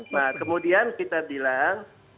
nah kemudian kita bilang